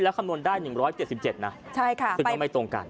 คำนวณได้๑๗๗นะซึ่งก็ไม่ตรงกัน